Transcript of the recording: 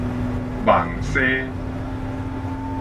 網紗